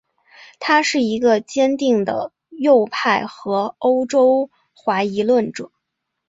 他是一个坚定的右派和欧洲怀疑论者。